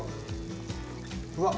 うわっ。